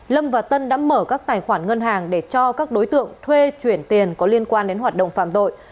lâm và tân đã mở các tài khoản ngân hàng để cho các đối tượng thuê chuyển tiền có liên quan đến hoạt động phạm tội